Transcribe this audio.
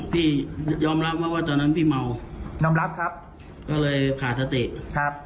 พี่ยอมรับไหมว่าตอนนั้นพี่เมายอมรับครับก็เลยขาดสติครับ